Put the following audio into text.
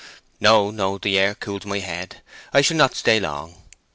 "No, no, the air cools my head. I shall not stay long."